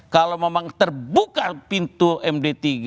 kalau memang terbuka pintu md tiga